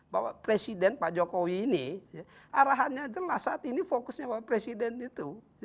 bahwa presiden pak jokowi ini arahannya jelas saat ini fokusnya pak presiden itu